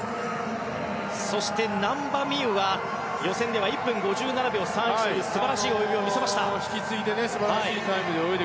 そして難波実夢は予選では１分５７秒３１という素晴らしい泳ぎを見せました。